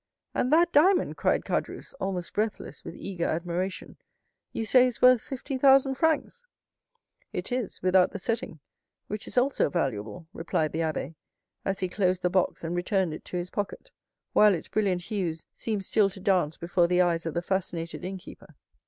"And that diamond," cried Caderousse, almost breathless with eager admiration, "you say, is worth fifty thousand francs?" "It is, without the setting, which is also valuable," replied the abbé, as he closed the box, and returned it to his pocket, while its brilliant hues seemed still to dance before the eyes of the fascinated innkeeper.